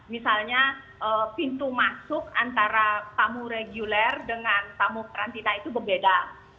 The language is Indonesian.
misalnya pintu masuk antara tamu reguler dengan tamu karantina itu berbeda